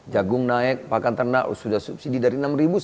jagung naik pakan ternak sudah subsidi dari enam ribu seribu lima ratus